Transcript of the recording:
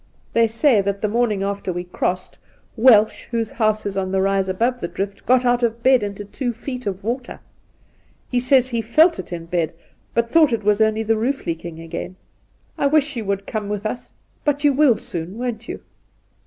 They say that the morning after we crossed, Welsh, whose house is on the rise above the drift, got out of bed into two feet of water. He says he felt it in bed, but thought it was only the roof leaking again. I wish you could come with us — but you will soon, won't you